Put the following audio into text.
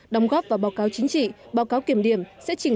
đóng góp vào báo cáo chính trị báo cáo kiểm điểm sẽ trình